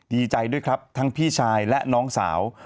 ดีใจด้วยครับทั้งพี่ชายและน้องสาว